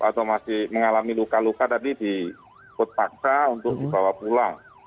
atau masih mengalami luka luka tadi diput paksa untuk dibawa pulang